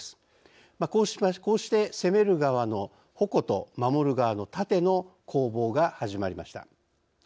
こうして攻める側の「矛」と守る側の「盾」の攻防が始まりました。